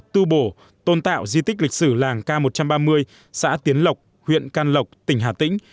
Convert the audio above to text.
tu bổ tôn tạo di tích lịch sử làng k một trăm ba mươi xã tiến lộc huyện can lộc tỉnh hà tĩnh